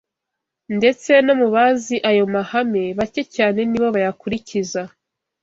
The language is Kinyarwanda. Ndetse no mu bazi ayo mahame, bake cyane ni bo bayakurikiza